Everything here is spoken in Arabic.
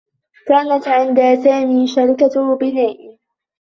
كانت عند سامي شركة بناء.